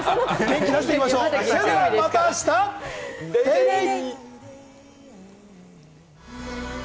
それではまた明日、デイデイ！